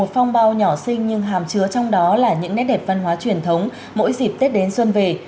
một phong bao nhỏ sinh nhưng hàm chứa trong đó là những nét đẹp văn hóa truyền thống mỗi dịp tết đến xuân về